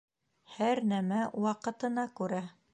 Һәр нәмә ваҡытына күрә.